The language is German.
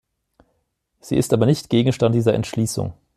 Sie ist aber nicht Gegenstand dieser Entschließung.